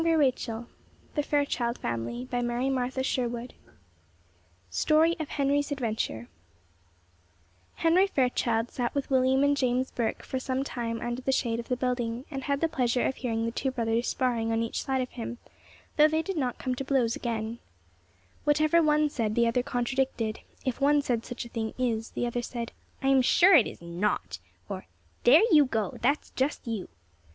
Story of Henry's Adventure [Illustration: Kind Mrs. Burke gave him a piece of bread and honey] Henry Fairchild sat with William and James Burke for some time under the shade of the building, and had the pleasure of hearing the two brothers sparring on each side of him, though they did not come to blows again. Whatever one said the other contradicted; if one said such a thing is, the other said, "I am sure it is not;" or, "There you go that's just you."